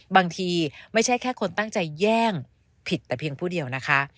บางทีไม่ใช่แค่คนตั้งใจแย่งผิดแต่เพียงผู้เดียวนะคะ